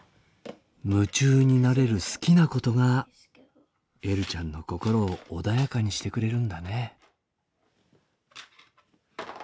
夢中になれる好きなことがえるちゃんの心を穏やかにしてくれるんだね。